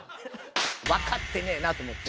わかってねえなと思って。